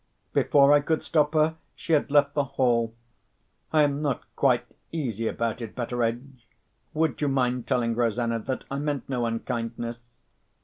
_' Before I could stop her, she had left the hall. I am not quite easy about it, Betteredge. Would you mind telling Rosanna that I meant no unkindness?